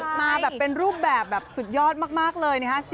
จัดมาเป็นรูปแบบสุดยอดมากเลยนะฮะ